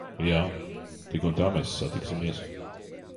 Jā. Tik un tā mēs satiksimies.